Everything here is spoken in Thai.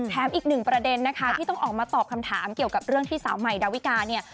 อีกหนึ่งประเด็นนะคะที่ต้องออกมาตอบคำถามเกี่ยวกับเรื่องที่สาวใหม่ดาวิกาเนี่ย